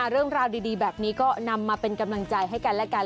เรื่องราวดีแบบนี้ก็นำมาเป็นกำลังใจให้กันและกัน